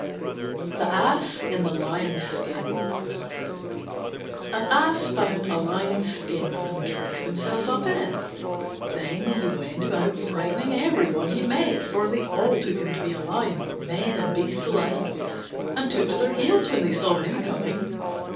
THE ASS IN THE LION'S SKIN An Ass found a Lion's Skin, and dressed himself up in it. Then he went about frightening every one he met, for they all took him to be a lion, men and beasts alike, and took to their heels when they saw him coming.